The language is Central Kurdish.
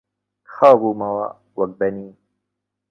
خاو بوومەوە وەک بەنی